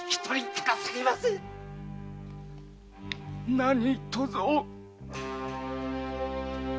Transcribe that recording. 何とぞ。